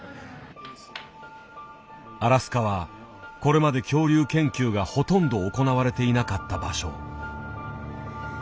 アラスカはこれまで恐竜研究がほとんど行われていなかった場所。